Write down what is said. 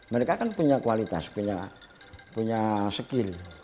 mereka kan punya kualitas punya skill